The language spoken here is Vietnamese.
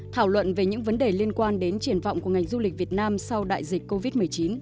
thảo luận về những vấn đề liên quan đến triển vọng của ngành du lịch việt nam sau đại dịch covid một mươi chín